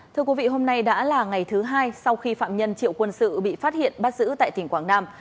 thưa quý vị hôm nay đã là ngày thứ hai sau khi phạm nhân triệu quân sự bị phát hiện bắt giữ tại tỉnh quảng nam